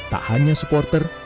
tak hanya supporter